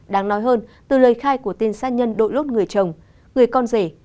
đáng nói hơn từ lời khai của tên sát nhân đội lốt người chồng người con rể